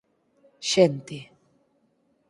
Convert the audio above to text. Xente